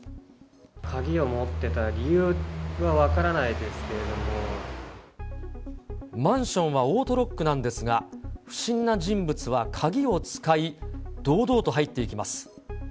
鍵を持ってた理由は分からなマンションはオートロックなんですが、不審な人物は鍵を使い、堂々と入っていきます。